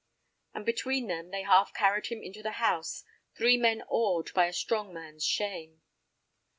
And between them they half carried him into the house, three men awed by a strong man's shame.